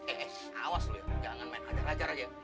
eh awas be jangan main hajar hajar aja